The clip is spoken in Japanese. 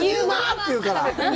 って言うから。